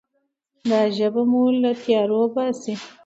دا ژبه مو له تیارو باسي.